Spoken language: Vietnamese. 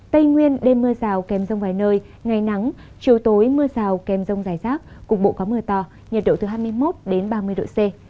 tây nguyên đêm mưa rào kèm rông vài nơi ngày nắng chiều tối mưa rào kèm rông rải rác cục bộ có mưa to nhiệt độ từ hai mươi một ba mươi độ c